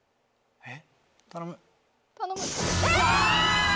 えっ！